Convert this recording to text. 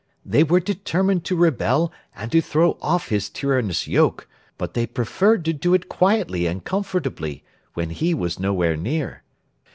They were determined to rebel and to throw off his tyrannous yoke, but they preferred to do it quietly and comfortably, when he was nowhere near.